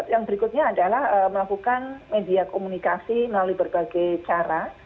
yang berikutnya adalah melakukan media komunikasi melalui berbagai cara